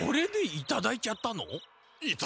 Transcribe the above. いただいちゃった。